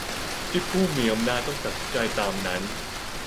ที่ผู้มีอำนาจต้องตัดสินใจตามนั้น